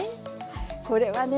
これはね